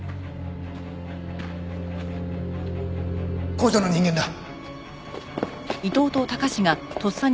工場の人間だ。